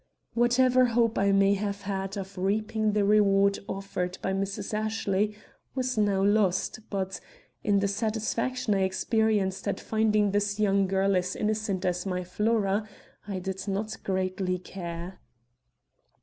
Whatever hope I may have had of reaping the reward offered by Mrs. Ashley was now lost, but, in the satisfaction I experienced at finding this young girl as innocent as my Flora, I did not greatly care.